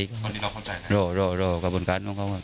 พูดอะไรถึงลูกชายความประกัน